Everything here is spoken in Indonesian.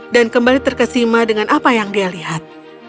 dan kembali terkesima dengan apa yang dia lihat